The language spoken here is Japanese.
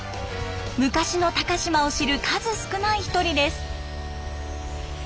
昔の高島を知る数少ない１人です。